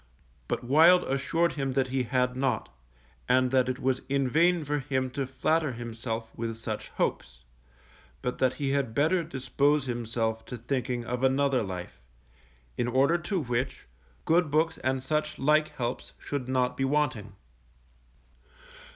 But Wild assured him that he had not, and that it was in vain for him to flatter himself with such hopes, but that he had better dispose himself to thinking of another life; in order to which, good books and such like helps should not be wanting.